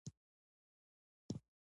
اداري شفافیت باور ساتي